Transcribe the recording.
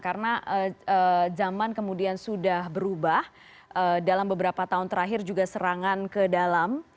karena zaman kemudian sudah berubah dalam beberapa tahun terakhir juga serangan ke dalam